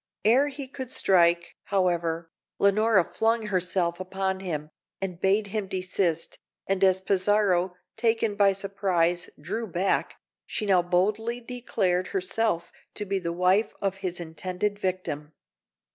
Ere he could strike, however, Leonora flung herself upon him, and bade him desist; and as Pizarro, taken by surprise, drew back, she now boldly declared herself to be the wife of his intended victim.